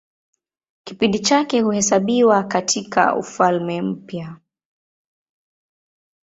Kipindi chake huhesabiwa katIka Ufalme Mpya.